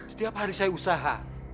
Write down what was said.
setiap hari saya usaha